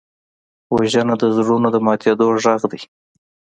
وژنه د زړونو د ماتېدو غږ دی